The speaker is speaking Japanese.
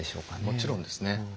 もちろんですね。